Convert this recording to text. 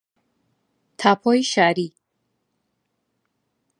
تاپۆی شاری